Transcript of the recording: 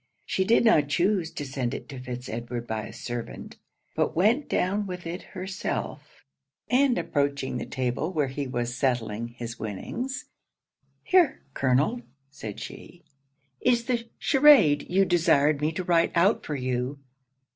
She did not chuse to send it to Fitz Edward by a servant; but went down with it herself; and approaching the table where he was settling his winnings 'Here, colonel,' said she, 'is the charade you desired me to write out for you.'